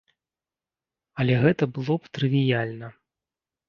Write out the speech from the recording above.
Але гэта было б трывіяльна.